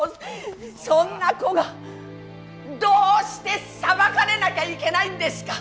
そんな子がどうして裁かれなきゃいけないんですか。